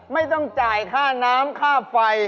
ไม่ต้องจ่ายค่าน้ำค่าไฟ